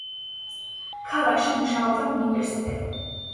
ქალაქში მუშაობდა უნივერსიტეტი.